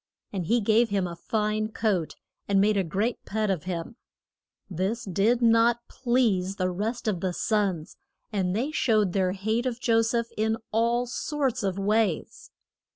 And he gave him a fine coat, and made a great pet of him. This did not please the rest of the sons, and they showed their hate of Jo seph in all sorts of ways.